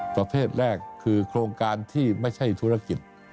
ประเภทแรกคือโครงการที่ไม่ใช่ธุรกิจ